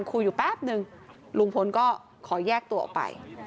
คุยอยู่แป๊บนึงลุงพลก็ขอแยกตัวออกไป